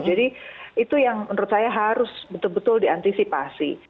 jadi itu yang menurut saya harus betul betul diantisipasi